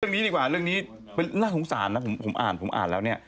เรื่องนี้ดีกว่าเรื่องนี้น่าสงสารนะผมอ่านผมอ่านแล้วเนี่ย